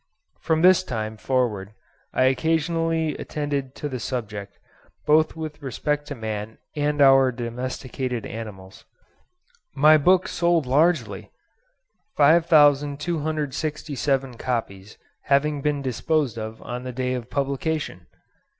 From this time forward I occasionally attended to the subject, both with respect to man and our domesticated animals. My book sold largely; 5267 copies having been disposed of on the day of publication.